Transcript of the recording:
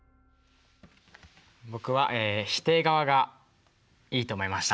僕は否定側がいいと思いました。